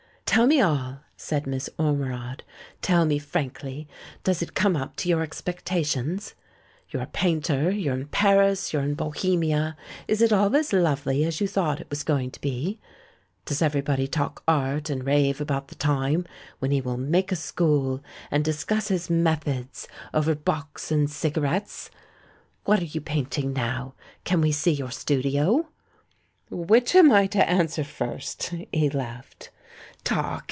"Tell me all," said Miss Ormerod, "tell me frankly! Does it come up to your expectations? You're a painter, you're in Paris, you're in bo hemia; is it all as lovely as you thought it was going to be? Does everybody talk Art and rave about the time when he will 'make a school,' and discuss his 'methods' over bocks and cigarettes? What are you painting now — can we see your studio?" "Which am I to answer first?" he laughed. "Talk!